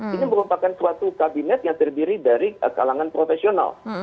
ini merupakan suatu kabinet yang terdiri dari kalangan profesional